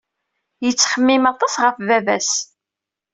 Yettxemmim aṭas ɣef baba-s.